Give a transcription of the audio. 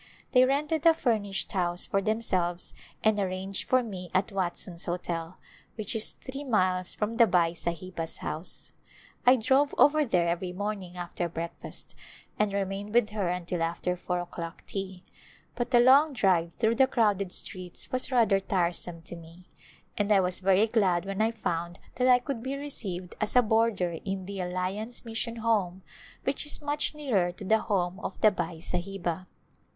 They rented a furnished house for themselves and arranged for me at Watson's Hotel, which is three miles from the Bai Sahiba's house. I drove over there ever)^ morning after breakfast and remained with her until after four o'clock tea, but the long drive through the crowded streets was rather tiresome to me and I was very glad when I found that I could be received as a boarder in the Alliance Mission Home which is much nearer to the home of the Bai Sahiba.